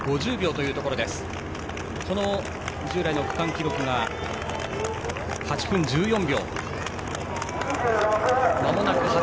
従来の区間記録が８分１４秒。